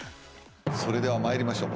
それでは参りましょう。